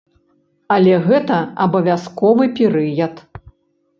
Але гэта абавязковы перыяд.